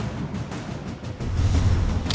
ya kita kembali ke sekolah